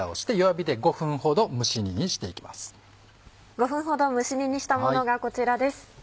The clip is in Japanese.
５分ほど蒸し煮にしたものがこちらです。